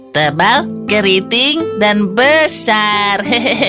tebal keriting dan besar